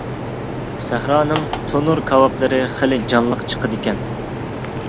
سەھرانىڭ تونۇر كاۋاپلىرى خىلى جانلىق چىقىدىكەن.